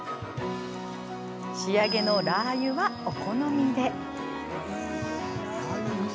仕上げのラーユは、お好みで。